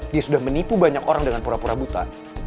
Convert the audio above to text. dia sudah menipu banyak orang dengan pura pura buta